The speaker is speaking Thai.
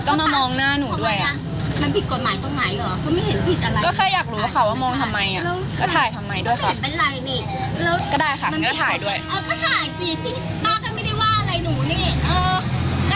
ก็ถ่ายสิน้าก็ไม่ได้ว่าอะไรหนูเนี่ย